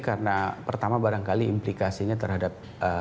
iya jadi pertama barangkali implikasinya terhadap